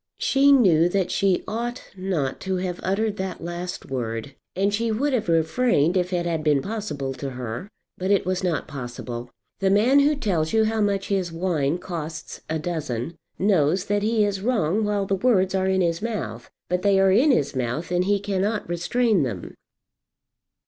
She knew that she ought not to have uttered that last word, and she would have refrained if it had been possible to her; but it was not possible. The man who tells you how much his wine costs a dozen, knows that he is wrong while the words are in his mouth; but they are in his mouth, and he cannot restrain them.